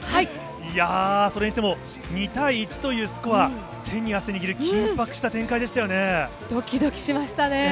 いやぁ、それにしても２対１というスコア、手に汗握る緊迫した展開でしたよどきどきしましたね。